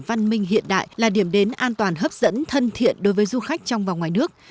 văn minh hiện đại là điểm đến an toàn hấp dẫn thân thiện đối với du khách trong và ngoài nước